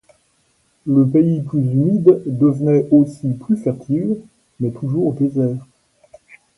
Le pays plus humide devenait aussi plus fertile, mais toujours désert.